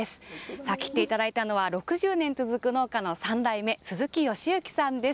さあ切っていただいたのは６０年続く農家の３代目鈴木秀幸さんです